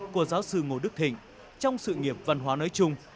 của giáo sư ngô đức thịnh trong sự nghiệp văn hóa nói chung